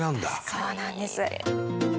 そうなんです。